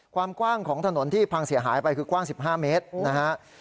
ความกว้างของถนนที่พังเสียหายไปคือกว้าง๑๕เมตรนะฮะ